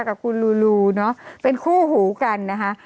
กับคุณลูลูเนอะเป็นคู่หูกันนะคะ